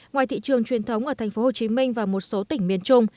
ngoài thị trường truyền thống ở tp hcm và một số tỉnh miền trung